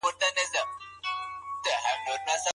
ډاکټران له هیواده بهر ولي ځي؟